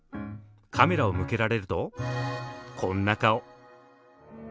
カメラを向けられるとこんな顔。